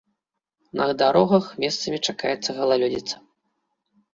На дарогах месцамі чакаецца галалёдзіца.